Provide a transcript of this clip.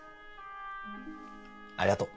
ありがとう